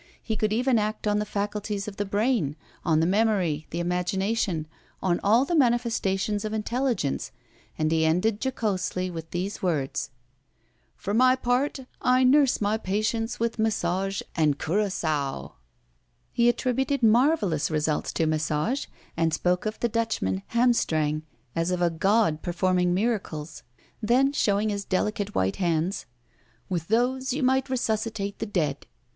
He could even act on the faculties of the brain, on the memory, the imagination, on all the manifestations of intelligence. And he ended jocosely with these words: "For my part, I nurse my patients with massage and curaçoa." He attributed marvelous results to massage, and spoke of the Dutchman Hamstrang as of a god performing miracles. Then, showing his delicate white hands: "With those, you might resuscitate the dead."